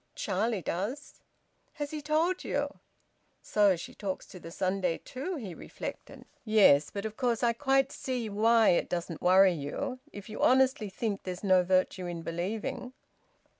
"Charlie does." "Has he told you?" ("So she talks to the Sunday too!" he reflected.) "Yes; but of course I quite see why it doesn't worry you if you honestly think there's no virtue in believing."